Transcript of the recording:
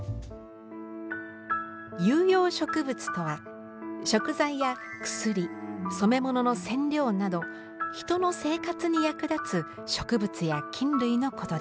有用植物とは食材や薬染め物の染料など人の生活に役立つ植物や菌類のことです。